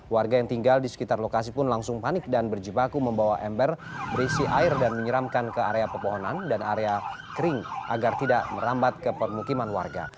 warga yang tinggal di sekitar lokasi pun langsung panik dan berjibaku membawa ember berisi air dan menyeramkan ke area pepohonan dan area kering agar tidak merambat ke permukiman warga